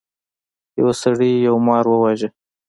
یو سړي یو مار وواژه.